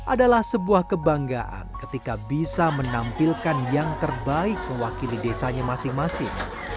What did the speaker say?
adalah sebuah kebanggaan ketika bisa menampilkan yang terbaik mewakili desanya masing masing